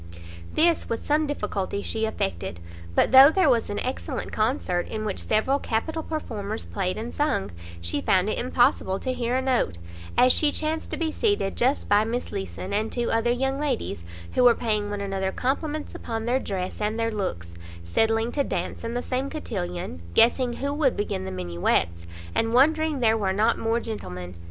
This, with some difficulty, she effected; but though there was an excellent concert, in which several capital performers played and sung, she found it impossible to hear a note, as she chanced to be seated just by Miss Leeson, and two other young ladies, who were paying one another compliments upon their dress and their looks, settling to dance in the same cotillon, guessing who would begin the minuets, and wondering there were not more gentlemen.